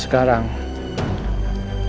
suara barang juga